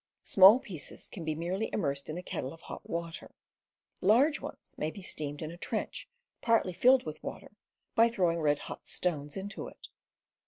Small pieces can be merely immersed in a kettle of hot water; large ones may be steamed in a trench partly filled with water, by throwing red hot stones into it.